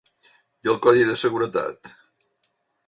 I el codi de seguretat?